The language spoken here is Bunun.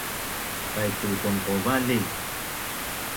Paitu tongqovali